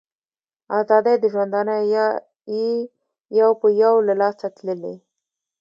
آزادۍ د ژوندانه یې یو په یو له لاسه تللي